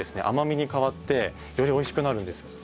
甘みに変わってより美味しくなるんです。